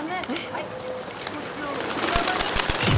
はい恥骨を内側にイン！